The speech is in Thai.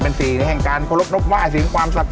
เป็นสีแห่งการขอรบนกว่ายสีแห่งความศักดิ์